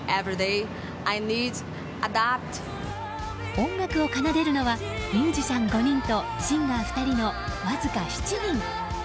音楽を奏でるのはミュージシャン５人とシンガー２人のわずか７人。